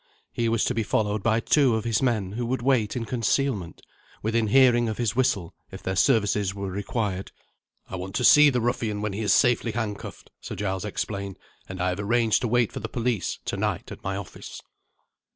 He was to be followed by two of his men who would wait in concealment, within hearing of his whistle, if their services were required. "I want to see the ruffian when he is safely handcuffed," Sir Giles explained; "and I have arranged to wait for the police, to night, at my office."